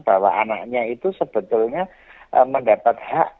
bahwa anaknya itu sebetulnya mendapat hak